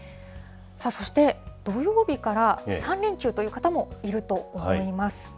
そして土曜日から３連休という方もいると思います。